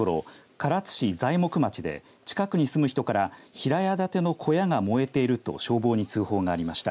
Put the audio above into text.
唐津市材木町で近くに住む人から平屋建ての小屋が燃えていると消防に通報がありました。